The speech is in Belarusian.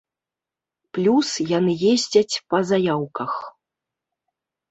Плюс, яны ездзяць па заяўках.